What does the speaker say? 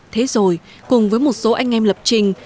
thế rồi cùng với một số anh em lập trình